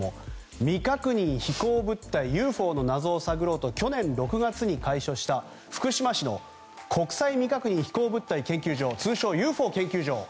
未確認飛行物体・ＵＦＯの謎を探ろうと去年６月に開所した、福島市の国際未確認飛行物体研究所通称ＵＦＯ研究所。